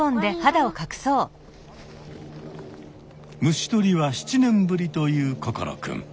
虫とりは７年ぶりという心くん。